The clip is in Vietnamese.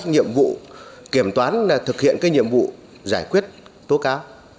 nhiệm vụ kiểm toán thực hiện cái nhiệm vụ giải quyết tố cáo